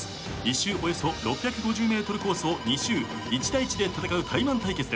１周およそ６５０ｍコースを２周１対１で戦うタイマン対決です。